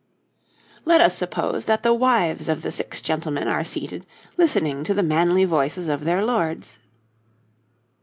Let us suppose that the wives of the six gentlemen are seated listening to the manly voices of their lords.